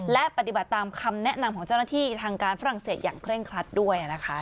และปฏิบัติตามคำแนะนำของเจ้าหน้าที่ทางการฝรั่งเศสอย่างเร่งครัดด้วยนะคะ